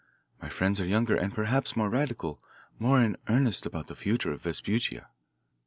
My friends are younger and perhaps more radical, more in earnest about the future of Vespuccia.